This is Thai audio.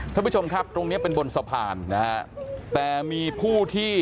ท่านผู้ชมครับตรงเนี้ยเป็นบนสะพานนะฮะแต่มีผู้ที่